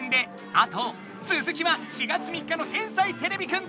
あとつづきは４月３日の「天才てれびくん」で！